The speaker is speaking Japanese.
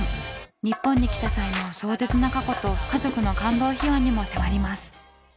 日本に来た際の壮絶な過去と家族の感動秘話にも迫ります。